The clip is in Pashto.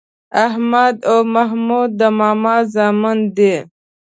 احمد او محمود د ماما زامن دي